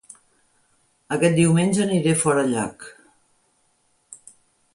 Aquest diumenge aniré a Forallac